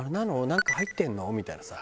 なんか入ってるの？みたいなさ。